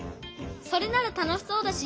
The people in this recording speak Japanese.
それならたのしそうだし